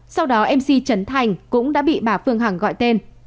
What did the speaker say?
sau đó mc chấn thành cũng đã bị bà phương hằng gọi tên